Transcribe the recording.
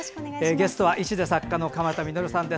ゲストは医師で作家の鎌田實さんです。